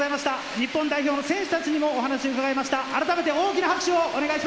日本代表の選手たちにもお話を伺いました。